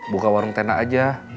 buka warung tena aja